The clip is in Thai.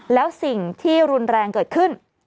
แล้วสิ่งที่รุนแรงเกิดขึ้น